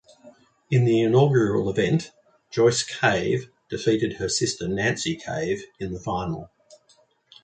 In the inaugural event, Joyce Cave defeated her sister Nancy Cave in the final.